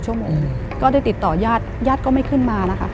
ชั่วโมงก็ได้ติดต่อญาติญาติก็ไม่ขึ้นมานะคะ